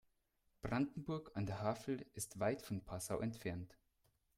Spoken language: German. Brandenburg an der Havel ist weit von Passau entfernt